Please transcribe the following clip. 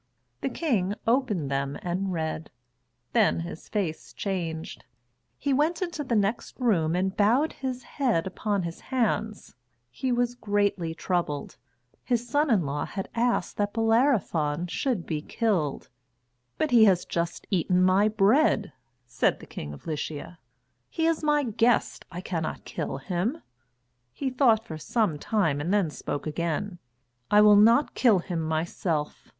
The King opened them and read. Then his face changed. He went into the next room and bowed his head upon his hands. He was greatly troubled. His son in law had asked that Bellerophon should be killed. "But he has just eaten my bread," said the King of Lycia. "He is my guest. I cannot kill him." He thought for some time and then spoke again: "I will not kill him myself.